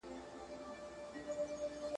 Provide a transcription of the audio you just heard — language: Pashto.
لویه جرګه کي د ځوانانو ږغ اورېدل ولي مهم دي؟